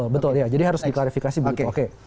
betul jadi harus diklarifikasi begitu